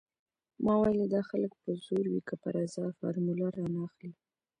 ما ويلې دا خلک په زور وي که په رضا فارموله رانه اخلي.